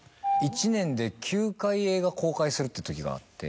１年で９回映画公開するっていうときがあって。